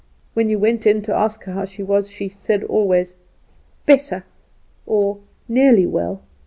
When you went in to ask her how she was she said always "Better," or "Nearly well!"